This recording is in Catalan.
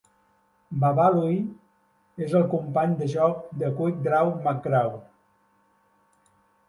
Baba Looey és el company de joc de Quick Draw McGraw.